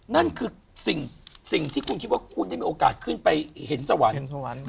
นั่นคือสิ่งที่คุณคิดว่าคุณได้มีโอกาสขึ้นไปเห็นสวรรค์